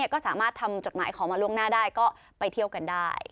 ก็สามารถทำจดหมายของมาล่วงหน้าได้ก็ไปเที่ยวกันได้